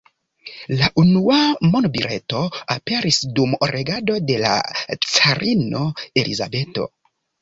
La unua monbileto aperis dum regado de la carino Elizabeto.